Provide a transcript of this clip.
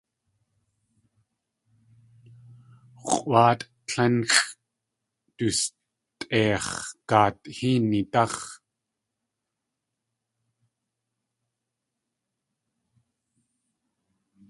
X̲ʼwáat tlénxʼ dustʼeix̲ G̲aat Héenidáx̲.